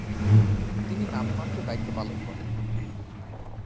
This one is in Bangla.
তিনি নামে মাত্র দায়িত্ব পালন করেন।